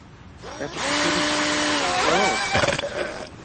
এত কিছুর পরও।